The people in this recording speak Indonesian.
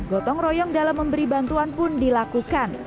gotong royong dalam memberi bantuan pun dilakukan